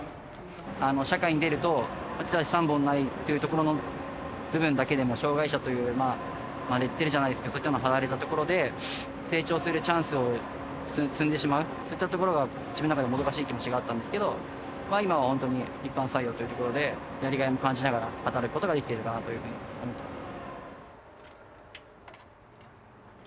社会に出ると、手足３本ないっていうところの部分だけでも、障害者というレッテルじゃないですけど、そういったのを貼られたところで、成長するチャンスを摘んでしまう、そういったところが、自分の中でももどかしい気持ちがあったんですけど、今は本当に一般採用というところで、やりがいも感じながら働くことができているなというふうに思います。